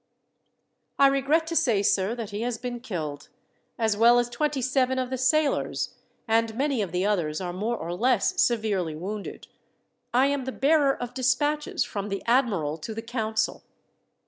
"I regret to say, sir, that he has been killed, as well as twenty seven of the sailors, and many of the others are more or less severely wounded. I am the bearer of despatches from the admiral to the council."